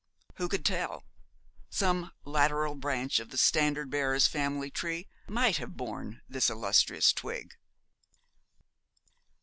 Who could tell? Some lateral branch of the standard bearer's family tree might have borne this illustrious twig.